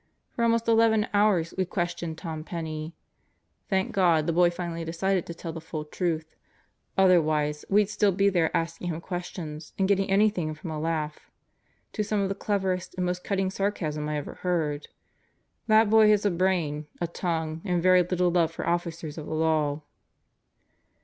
For almost eleven hours we questioned Tom Penney, Thank God the boy finally decided to tell the full truth, otherwise we'd still be there asking him questions and getting anything from a laugh to some of the cleverest and most cutting sarcasm I ever heard. That boy has a brain, a tongue, and very little love for officers of the law."